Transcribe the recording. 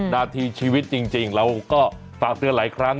นาทีชีวิตจริงเราก็ฝากเตือนหลายครั้ง